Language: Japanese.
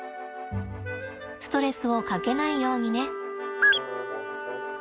ストレスをかけないようにね。